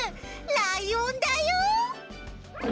ライオンだよ！